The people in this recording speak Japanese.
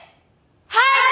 はい！